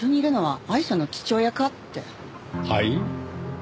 はい？